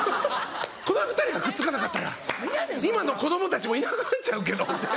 この２人がくっつかなかったら今の子供たちもいなくなっちゃうけどみたいな。